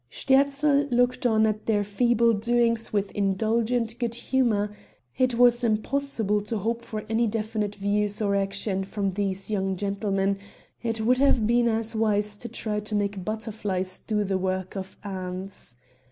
Sterzl looked on at their feeble doings with indulgent good humor; it was impossible to hope for any definite views or action from these young gentlemen; it would have been as wise to try to make butterflies do the work of ants.